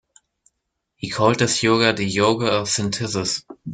He called his yoga the "Yoga of Synthesis".